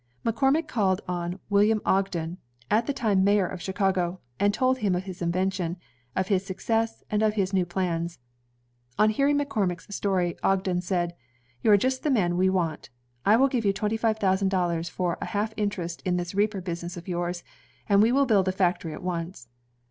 Mc Cormick called on William Ogden, at that time Mayor of Chicago, and told him of his invention, of his success, and of his new plans. On hearing McCormick's story, Ogden said, "You are just the man we want. I will give you twenty five thousand dollars for a half interest in this reaper business of yours, and we will build a factory at once."